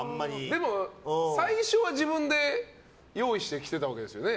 でも最初は自分で用意して着てたわけですよね。